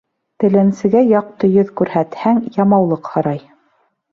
Теләнсегә яҡты йөҙ күрһәтһәң, ямаулыҡ һорай.